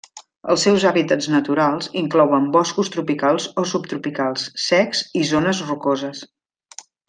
Els seus hàbitats naturals inclouen boscos tropicals o subtropicals secs i zones rocoses.